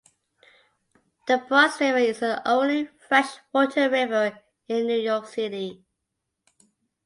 The Bronx River is the only fresh water river in New York City.